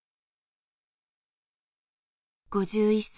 ５１歳。